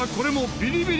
ビリビリ。